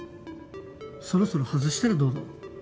そろそろ外したらどうだ？